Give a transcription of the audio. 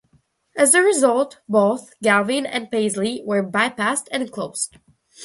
As a result, both Galvin and Paisley were bypassed and closed.